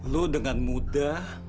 lu dengan mudah